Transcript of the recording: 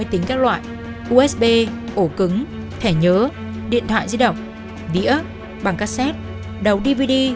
sáu mươi tính các loại usb ổ cứng thẻ nhớ điện thoại di động vĩ ớt bằng cassette đầu dvd